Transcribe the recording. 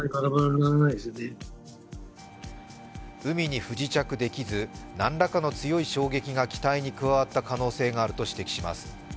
海に不時着できず何らかの強い衝撃が機体に加わった可能性があると指摘します。